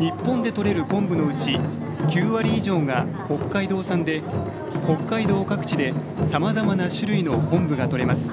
日本でとれるコンブのうち９割以上が北海道産で北海道各地で、さまざまな種類のコンブがとれます。